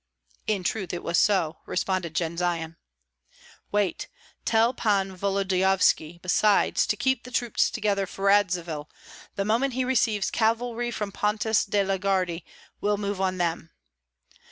"In truth it was so," responded Jendzian. "Wait; tell Pan Volodyovski, besides, to keep the troops together, for Radzivill, the moment he receives cavalry from Pontus de la Gardie, will move on them.